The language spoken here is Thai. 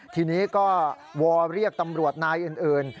ทีนี้ก็วอเรียกตำรวจนายอื่น